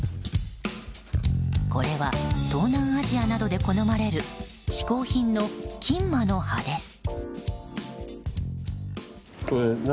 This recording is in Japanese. これは東南アジアなどで好まれる嗜好品のキンマの葉です。